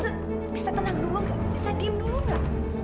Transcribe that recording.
tante bisa tenang dulu gak bisa diem dulu gak